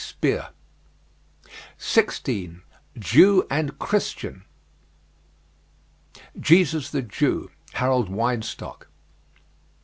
Speer. 16. JEW AND CHRISTIAN. "Jesus the Jew," Harold Weinstock.